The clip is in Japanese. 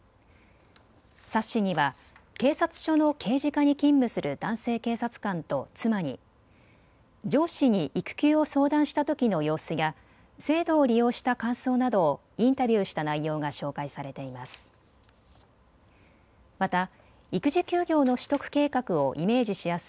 冊子には警察署の刑事課に勤務する男性警察官と妻に上司に育休を相談したときの様子や制度を利用した感想などをインタビューした内容が紹介されています。